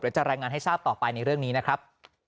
จะรายงานให้ทราบต่อไปในเรื่องนี้นะครับ